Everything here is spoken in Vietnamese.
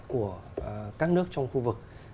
của các nước trong khu vực